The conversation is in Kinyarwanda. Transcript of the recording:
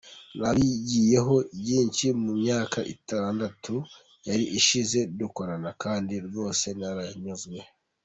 "Nabigiyeho byinshi mu myaka itandatu yari ishize dukorana kandi rwose naranyuzwe.